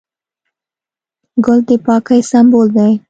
ګل د پاکۍ سمبول دی.